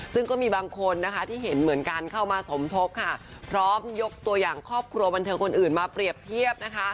ซึ่งก็มีบางคนนะคะที่เห็นเหมือนกันเข้ามาสมทบค่ะพร้อมยกตัวอย่างครอบครัวบันเทิงคนอื่นมาเปรียบเทียบนะคะ